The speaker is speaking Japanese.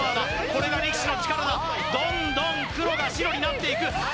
これが力士の力だどんどん黒が白になっていく